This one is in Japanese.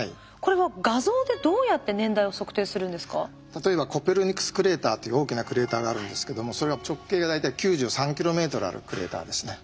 例えばコペルニクスクレーターという大きなクレーターがあるんですけどもそれは直径が大体９３ｋｍあるクレーターですね。